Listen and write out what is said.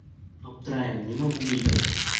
Аптырайым: нимә булды икән?